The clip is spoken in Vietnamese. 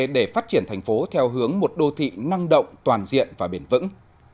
để phát triển thành phố theo hướng một đô thị năng động toàn diện và bền vững